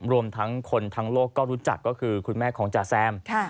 รวมทั้งคนทั้งโลกก็รู้จักก็คือคุณแม่ของจาแซม